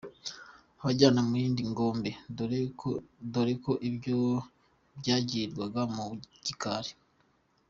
Abajyana mu yindi ngombe; dore ko ibyo byagirirwaga mu gikari.